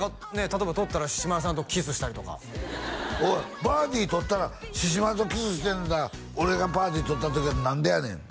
例えば取ったらしし丸さんとキスしたりとかおいバーディー取ったらしし丸とキスしてんやったら俺がバーディー取った時は何でやねん？